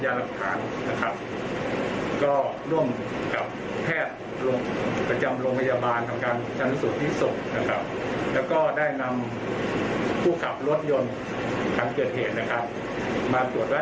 ได้ทั้งหมด๒๙มิลลิกรัมเปอร์เซ็นต์ซึ่งไม่เกินกว่าที่ผลไม้กำหนดครับ